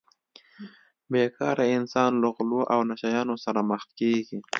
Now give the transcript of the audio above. بې کاره انسان له غلو او نشه یانو سره مخ کیږي